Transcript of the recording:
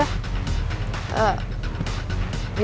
gak kok gue baik baik aja